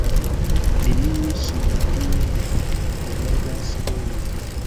Neniu sunradio delogas ilin.